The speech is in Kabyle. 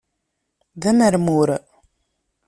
D amermur!